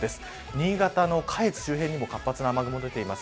新潟の下越周辺にも活発な雨雲が出ています。